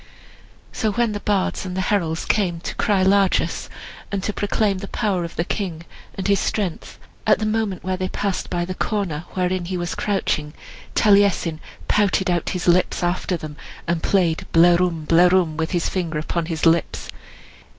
So, when the bards and the heralds came to cry largess, and to proclaim the power of the king, and his strength, at the moment when they passed by the corner wherein he was crouching, Taliesin pouted out his lips after them, and played "Blerwm, blerwm!" with his finger upon his lips.